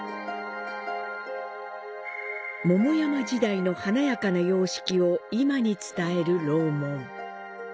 桃山時代の華やかな様式を今に伝える「楼門」。